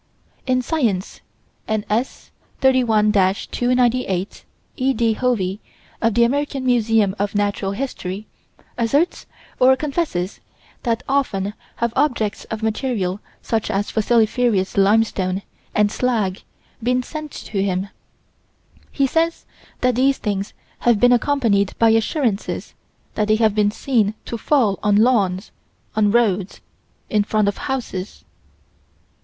In Science, n.s., 31 298, E.D. Hovey, of the American Museum of Natural History, asserts or confesses that often have objects of material such as fossiliferous limestone and slag been sent to him He says that these things have been accompanied by assurances that they have been seen to fall on lawns, on roads, in front of houses.